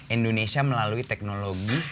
indonesia melalui teknologi